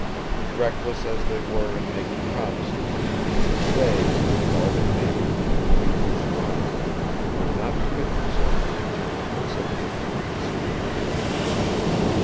Reckless as they were in making promises, they, like all their neighbors, weak or strong, would not commit themselves to attempting conciliation of the Sioux.